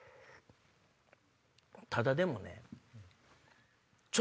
ただでもね。